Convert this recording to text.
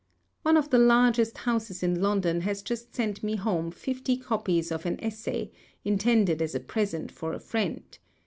One of the largest houses in London has just sent me home fifty copies of an essay, intended as a present for a friend.